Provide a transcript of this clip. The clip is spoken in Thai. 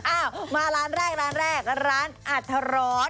อ้าวมาร้านแรกร้านอัตรรอด